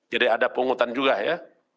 jadi ada penghutang juga ya